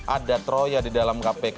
ada troya di dalam kpk